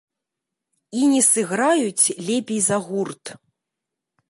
І не сыграюць лепей за гурт.